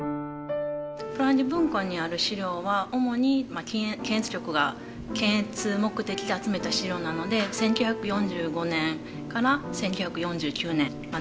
プランゲ文庫にある資料は主に検閲局が検閲目的で集めた資料なので１９４５年から１９４９年までの資料です。